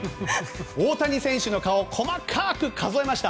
大谷選手の顔を細かく数えました。